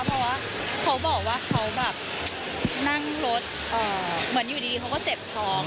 เพราะว่าเขาบอกว่าเขาแบบนั่งรถเหมือนอยู่ดีเขาก็เจ็บท้อง